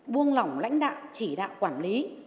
buông lỏng lãnh đạo chỉ đạo quản lý